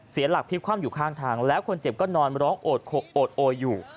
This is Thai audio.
เสียหลักพลิกความอยู่ข้างทางแล้วคนเจ็บก็นอนมาร้องโอดโอยอยู่